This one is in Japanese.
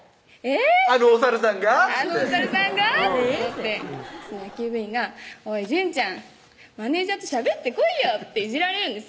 っつってあのお猿さんが？と思ってその野球部員が「おい淳ちゃん」「マネージャーとしゃべってこいよ」っていじられるんです